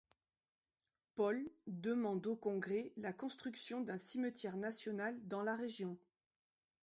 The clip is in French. Paul demandent au Congrès la construction d'un cimetière national dans la région.